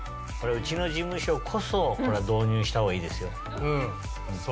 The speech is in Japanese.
これはうちの事務所こそ導入したほうがいいですよ。